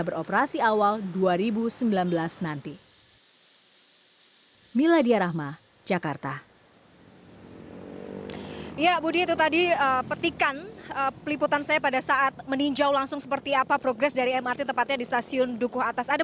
berikut laporannya untuk anda